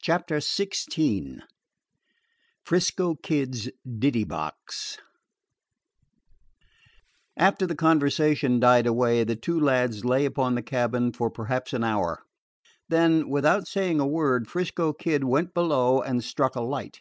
CHAPTER XVI 'FRISCO KID'S DITTY BOX After the conversation died away, the two lads lay upon the cabin for perhaps an hour. Then, without saying a word, 'Frisco Kid went below and struck a light.